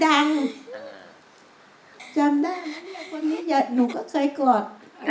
ว่ามันไงครับ